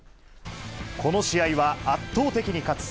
この試合は圧倒的に勝つ。